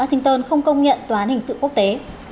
washington không công nhận tòa án hình sự quốc tế